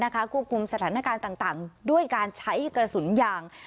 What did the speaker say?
ควบคุมสถานการณ์ต่างด้วยการใช้กระสุนยาง